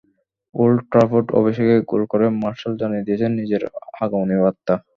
Old Trafford অভিষেকেই গোল করে মার্শাল জানিয়ে দিয়েছেন নিজের আগমনী বার্তা।